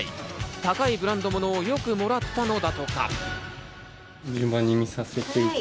高いブランド物をよくもらったのだとか。